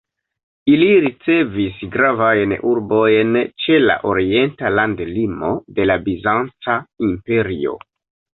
Ili ricevis gravajn urbojn ĉe la orienta landlimo de la Bizanca Imperio.